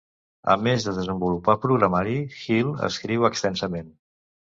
A més de desenvolupar programari, Hill escriu extensament.